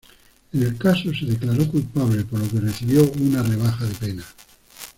En el caso se declaró culpable, por lo que recibió una rebaja de pena.